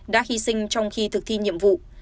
đã hy sinh trong khi thực thi nhiệm vụ